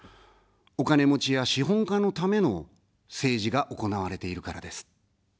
お金持ちや資本家のための政治が行われているからです。